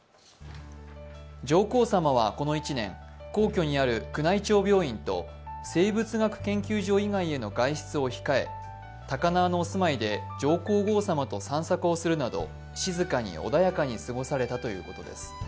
上皇さまはこの１年、皇居にある宮内庁病院と生物学研究所以外への外出を控え高輪のお住まいで上皇后さまと散策をするなど静かに穏やかに過ごされたということです。